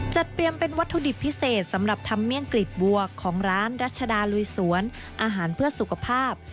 เตรียมเป็นวัตถุดิบพิเศษสำหรับทำเมี่ยงกลีบบัวของร้านรัชดาลุยสวนอาหารเพื่อสุขภาพ